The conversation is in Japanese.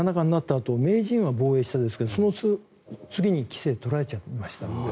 あと名人は防衛したんですけどその次に棋聖を取られちゃいましたから。